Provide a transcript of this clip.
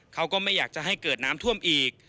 เขาก็ไม่อยากจะให้เกิดน้ำท่วมอีก